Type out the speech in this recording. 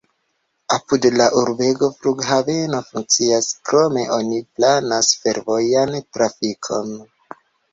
Apud la urbego flughaveno funkcias, krome oni planas fervojan trafikon.